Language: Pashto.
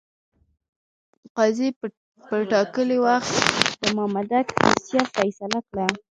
قاضي پر ټاکلي وخت د مامدک دوسیه فیصله کړه.